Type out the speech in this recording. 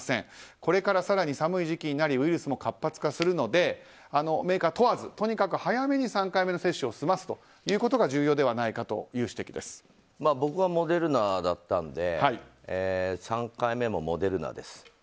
これから更に寒い時期になりウイルスも活発化するのでメーカー問わず、とにかく早めに３回目の接種を済ますことが僕はモデルナだったので３回目もモデルナです。